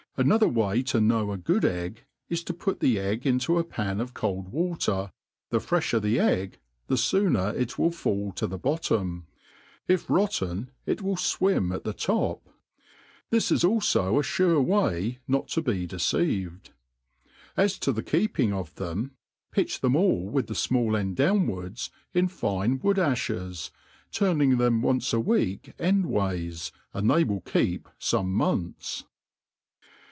Another way t6 inow a good egg is to pitt the egg into a pan of cold water, the freffaer the egg the fooner it will fall to the bottom $ if .rotten, it will fwim at the top. This is alfo a fure way not to be der ceived. As to the keeping of them, pitch them all with the fmall end downwards in fine wck)d afhes, turning them once' a week end ways, and they will keep fome months.